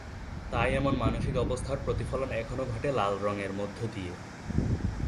তাই এমন মানসিক অবস্থার প্রতিফলন এখনো ঘটে লাল রঙের মধ্য দিয়ে।